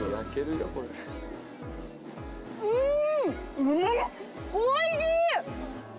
うん！